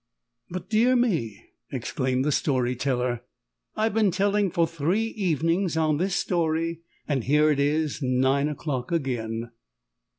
"But, dear me!" exclaimed the story teller, "I've been telling for three evenings on this story, and here it is nine o'clock again."